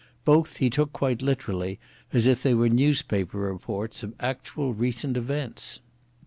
Both he took quite literally, as if they were newspaper reports of actual recent events.